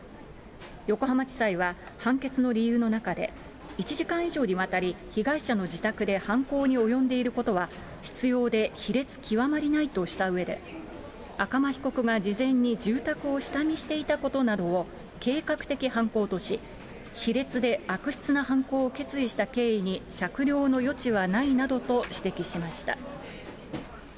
横浜地裁は、判決の理由の中で、１時間以上にわたり、被害者の自宅で犯行に及んでいることは、執ようで卑劣極まりないとしたうえで、赤間被告が事前に住宅を下見していたことなどを計画的犯行とし、卑劣で悪質な犯行を決意した経緯に酌量の余地はないなどと指摘しました。